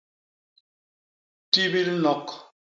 Tibil nok.